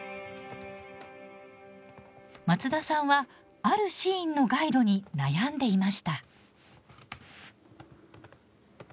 松田さんはあるシーンのガイドに悩んでいました。